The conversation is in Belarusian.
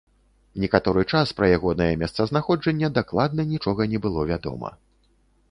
Некаторы час пра ягонае месцазнаходжанне дакладна нічога не было вядома.